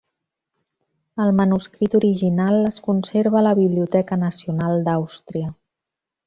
El manuscrit original es conserva a la Biblioteca Nacional d'Àustria.